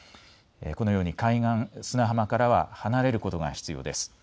このように海岸で砂浜からは離れることが必要です。